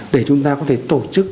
để chúng ta có thể tổ chức